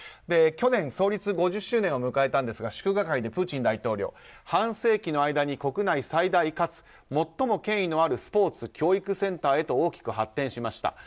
去年、創立５０周年を迎えたんですが祝賀会でプーチン大統領半世紀の間に国内最大かつ最も権威のあるスポーツ教育センターへと大きく発展しました。